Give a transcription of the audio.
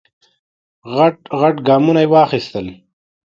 غټ غټ ګامونه یې واخیستل.